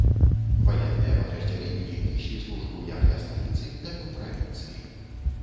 Ваенныя падраздзяленні неслі службу як ля сталіцы, так і ў правінцыі.